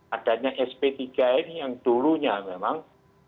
adanya sp tiga ini yang dulunya memang